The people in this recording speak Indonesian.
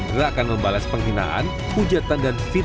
saya berharap anda akan membalas penghinaan hujatan dan filial